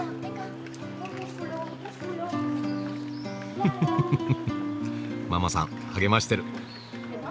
フフフフフッママさん励ましてる！